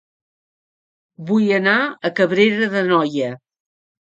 Vull anar a Cabrera d'Anoia